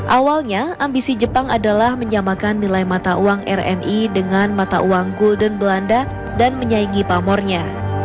awalnya ambisi jepang adalah menyamakan nilai mata uang rni dengan mata uang gulden belanda dan menyaingi pamornya